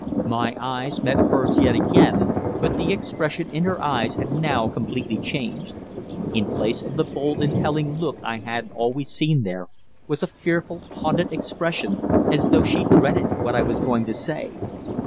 My eyes met hers yet again, but the expression in her eyes had now completely changed. In place of the bold, impelling look I had always seen there, was a fearful, hunted expression, as though she dreaded what I was going to say.